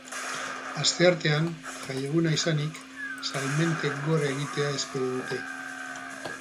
Asteartean, jai eguna izanik, salmentek gora egitea espero dute.